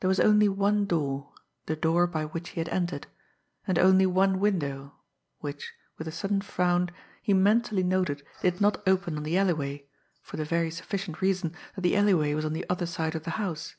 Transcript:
There was only one door the door by which he had entered; and only one window which, with a sudden frown, he mentally noted did not open on the alleyway, for the very sufficient reason that the alleyway was on the other side of the house.